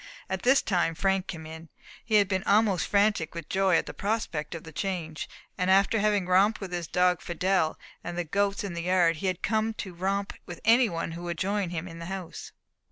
At this time Frank came in. He had been almost frantic with joy at the prospect of the change; and after having romped with his dog Fidelle and the goats in the yard, he had come to romp with any one who would join him in the house.